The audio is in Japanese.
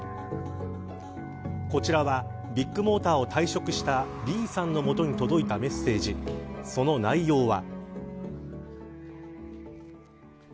こちらはビッグモーターを退職したＢさんの元に届いたメッセージその内容は。